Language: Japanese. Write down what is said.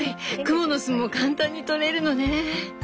クモの巣も簡単に取れるのね。